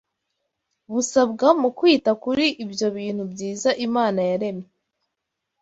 busabwa mu kwita kuri ibyo bintu byiza Imana yaremye